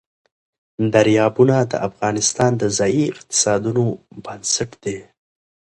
دریابونه د افغانستان د ځایي اقتصادونو بنسټ دی.